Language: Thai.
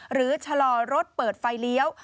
ชะลอรถเปิดไฟเลี้ยว